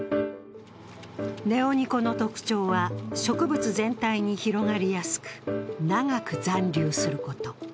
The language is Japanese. ネオニコの特徴は、植物全体に広がりやすく長く残留すること。